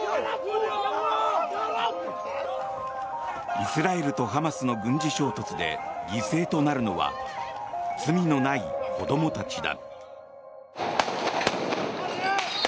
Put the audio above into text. イスラエルとハマスの軍事衝突で犠牲となるのは罪のない子どもたちだ。